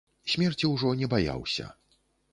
Смерці ўжо не баяўся.